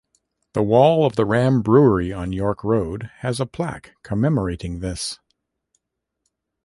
The wall of the Ram Brewery on York Road has a plaque commemorating this.